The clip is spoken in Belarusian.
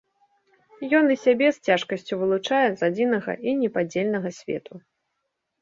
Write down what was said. Ён і сябе з цяжкасцю вылучае з адзінага і непадзельнага свету.